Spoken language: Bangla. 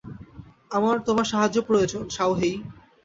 আমার তোমার সাহায্য প্রয়োজন, শাওহেই।